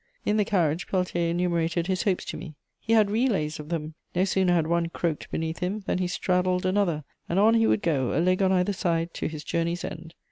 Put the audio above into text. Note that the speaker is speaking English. In the carriage, Peltier enumerated his hopes to me; he had relays of them; no sooner had one croaked beneath him than he straddled another, and on he would go, a leg on either side, to his journey's end.